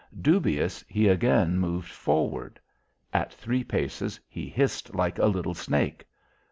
Dubious he again moved forward. At three paces, he hissed like a little snake.